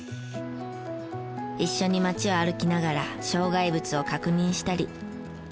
一緒に街を歩きながら障害物を確認したり。